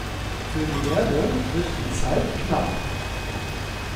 Für die Erde wird die Zeit knapp.